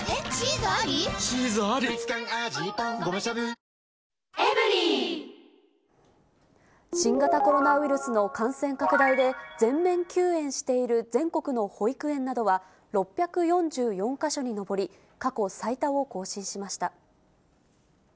食べてもらうと、新型コロナウイルスの感染拡大で、全面休園している全国の保育園などは、６４４か所に上り、過去最多を更新しました。